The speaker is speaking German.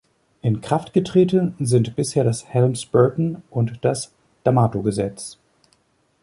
In Kraft getreten sind bisher das Helms-Burton- und das D'Amato-Gesetz.